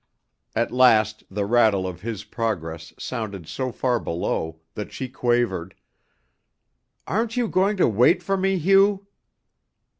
At last the rattle of his progress sounded so far below that she quavered: "Aren't you going to wait for me, Hugh?"